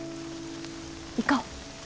行こう。